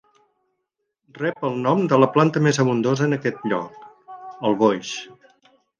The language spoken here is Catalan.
Rep el nom de la planta més abundosa en aquest lloc, el boix.